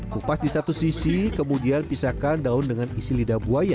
kupas di satu sisi kemudian pisahkan daun dengan isi lidah buaya